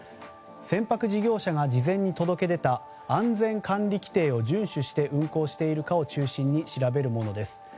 船舶事業者が事前に届け出た安全管理規程を順守して運航しているかを調べるものです。